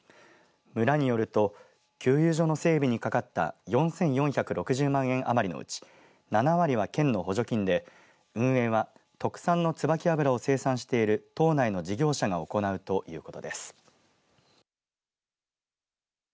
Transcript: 村によると給油所の整備にかかった４４６０万円余りのうち７割は県の補助金で運営は特産のつばき油を生産している島内の事業者が行うということです。